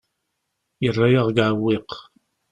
Yerra-yaɣ deg uɛewwiq.